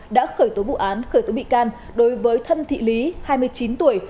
đã khởi tố vụ án khởi tố bị can đối với thân thị lý hai mươi chín tuổi